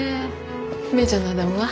芽依ちゃんのアダムは？